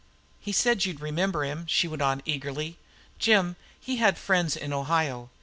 "He said you'd remember him," she went on eagerly. "Jim, he had friends in Ohio.